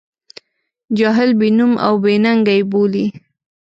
جاهل، بې نوم او بې ننګه یې بولي.